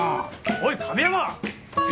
おい亀山！え！？